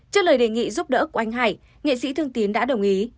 trước lời đề nghị giúp đỡ của anh hải nghệ sĩ thương tiến đã đồng ý